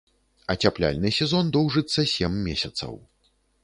Ацяпляльны сезон доўжыцца сем месяцаў.